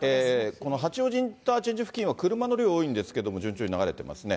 この八王子インターチェンジ付近は、車の量多いんですけれども、順調に流れてますね。